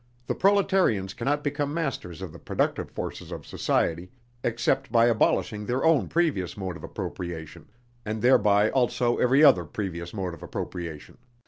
The proletarians cannot become masters of the productive forces of society, except by abolishing their own previous mode of appropriation, and thereby also every other previous mode of appropriation.